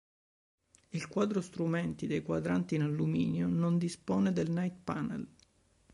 Il quadro strumenti dai quadranti in alluminio non dispone del Night Panel.